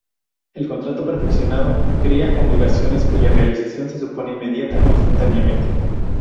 El contrato perfeccionado crea obligaciones cuya realización se supone inmediata o instantáneamente.